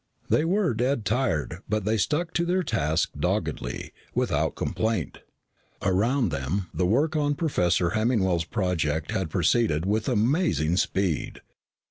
They were dead tired but they stuck to their task doggedly, without complaint. Around them, the work on Professor Hemmingwell's project had proceeded with amazing speed.